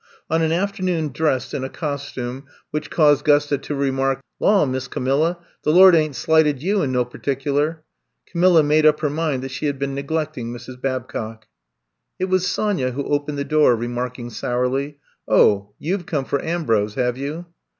On an afternoon dressed in a costume 126 I'VE COME TO STAY which caused 'Gusta to remark: Law, Miss Camilla, the Lord ain't slighted you in no particular !'* Camilla made up her mind that she had been neglecting Mrs. Babcock. It was Sonya who opened the door, re marking sourly : *^0h, you Ve come for Ambrose, have you?